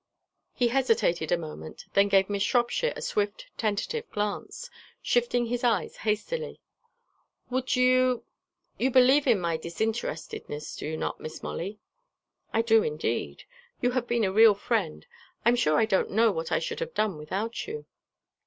He hesitated a moment, then gave Miss Shropshire a swift tentative glance, shifting his eyes hastily. "Would you you believe in my disinterestedness, do you not, Miss Molly?" "I do, indeed. You have been a real friend. I'm sure I don't know what I should have done without you."